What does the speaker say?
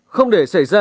không để xảy ra